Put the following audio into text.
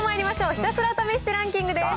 ひたすら試してランキングです。